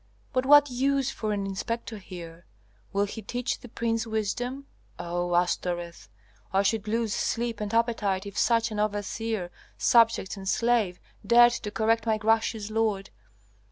But what use for an inspector here? Will he teach the prince wisdom? O Astoreth! I should lose sleep and appetite if such an overseer, subject and slave, dared to correct my gracious lord.